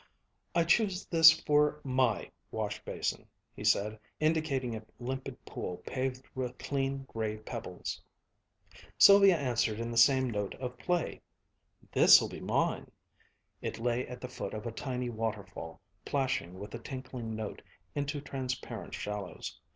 "I choose this for my wash basin," he said, indicating a limpid pool paved with clean gray pebbles. Sylvia answered in the same note of play, "This'll be mine." It lay at the foot of a tiny waterfall, plashing with a tinkling note into transparent shallows.